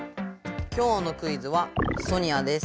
今日のクイズはソニアです。